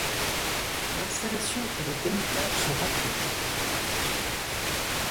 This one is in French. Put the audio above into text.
L’installation et le démontage sont rapides.